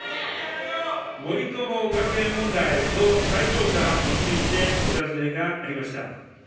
森友学園問題の再調査についてお尋ねがありました。